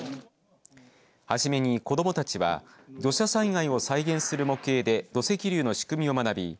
初めに子どもたちは土砂災害を再現する模型で土石流の仕組みを学び